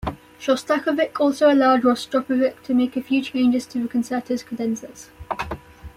Shostakovich also allowed Rostropovich to make a few changes to the concerto's cadenzas.